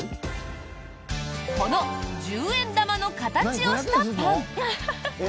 この十円玉の形をしたパン！